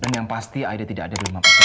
dan yang pasti aida tidak ada di rumah pak firman